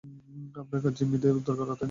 আপনার কাজ জিম্মিদের উদ্ধার করা, তাই না?